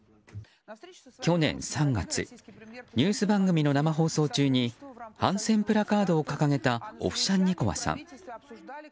去年３月ニュース番組の生放送中に反戦プラカードを掲げたオフシャンニコワさん。